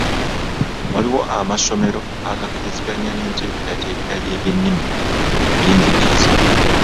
Waliwo amasomero agakkiriziganya n’enteekerateekera y’ebyennimi mu by’enjigiriza.